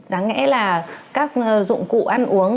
đáng nghĩa là các dụng cụ ăn uống